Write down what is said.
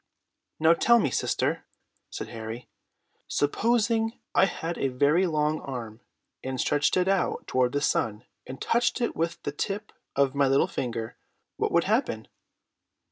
"Now tell me, sister," said Harry. "Supposing I had a very long arm, and stretched it out toward the sun, and touched it with the tip of my little finger. What would happen?"